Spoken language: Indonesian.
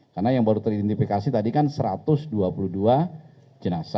karena yang baru teridentifikasi tadi kan satu ratus dua puluh dua jenasa